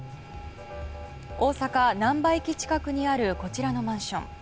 大阪・なんば駅近くにあるこちらのマンション。